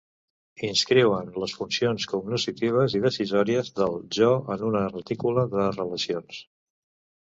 Inscriuen les funcions cognoscitives i decisòries del jo en una retícula de relacions.